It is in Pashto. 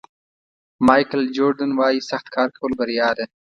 مایکل جوردن وایي سخت کار کول بریا ده.